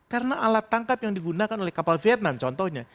karena alat tangkap yang digunakan oleh kapal vietnam contohnya